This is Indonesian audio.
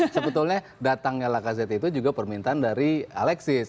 sebetulnya datangnya lacazette itu juga permintaan dari alexis